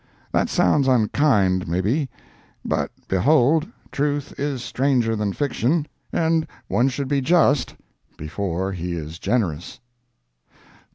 That sounds unkind, may be, but behold, truth is stranger than fiction, and one should be just, before he is generous.